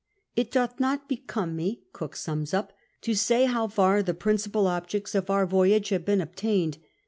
It doth not hecuiue me (Cook sums up) to say how far the principal objects of our voyage have been obtained.